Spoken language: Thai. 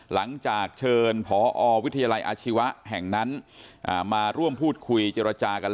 หลังจากเชิญพอวิทยาลัยอาชีวะแห่งนั้นมาร่วมพูดคุยเจรจากัน